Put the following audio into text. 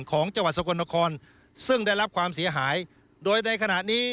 ของจังหวัดสกลนครซึ่งได้รับความเสียหายโดยในขณะนี้